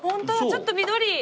ちょっと緑。